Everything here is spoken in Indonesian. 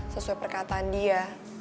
sesuai perkataan dia